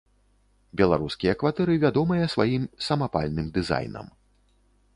Беларускія кватэры вядомыя сваім самапальным дызайнам.